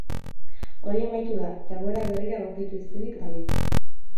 Hori amaitu da, eta egoera berrira egokitu ezinik dabiltza.